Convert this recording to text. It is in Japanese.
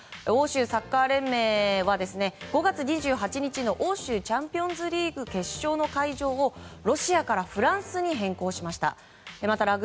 欧州サッカー連盟は５月２８日の欧州チャンピオンズリーグ決勝の会場を、ロシアからフランスに変更しました。